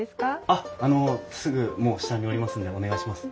あっあのすぐもう下におりますんでお願いします。